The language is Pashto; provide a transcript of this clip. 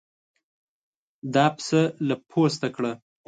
دا پسه له پوسته کړه.